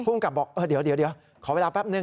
ผู้ขับบอกเดี๋ยวขอเวลาแป๊บหนึ่ง